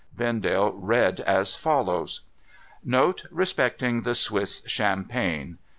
Vendale read as follows :—' Note, respecting the Swiss champagne.